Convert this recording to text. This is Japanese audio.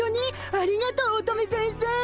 ありがとう乙女先生！